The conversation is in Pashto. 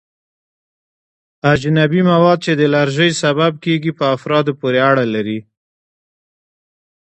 اجنبي مواد چې د الرژي سبب کیږي په افرادو پورې اړه لري.